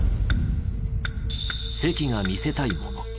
関が見せたいもの。